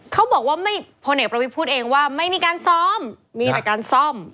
เขาบอกว่าไม่พลเอกประวิทย์พูดเองว่าไม่มีการซ้อมมีแต่การซ่อม